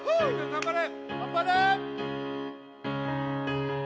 頑張れ！